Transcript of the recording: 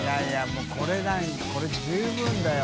もうこれ十分だよ。